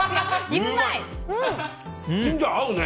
チンジャオ、合うね。